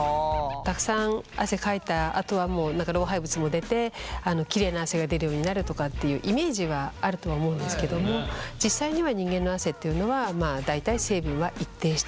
たくさん汗かいたあとは老廃物も出てきれいな汗が出るようになるとかっていうイメージはあるとは思うんですけども実際にはえ。